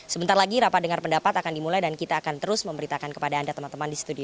sebentar lagi rapat dengar pendapat akan dimulai dan kita akan terus memberitakan kepada anda teman teman di studio